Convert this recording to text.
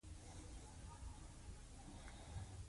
تاسو آی بي ایم اخلئ